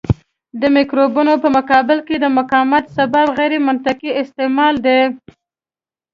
د مکروبونو په مقابل کې د مقاومت سبب غیرمنطقي استعمال دی.